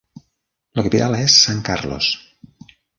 La capital és San Carlos.